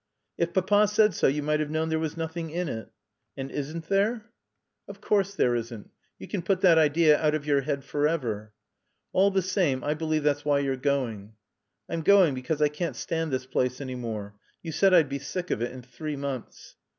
"If Papa said so you might have known there was nothing in it." "And isn't there?" "Of course there isn't. You can put that idea out of your head forever." "All the same I believe that's why you're going." "I'm going because I can't stand this place any longer. You said I'd be sick of it in three months."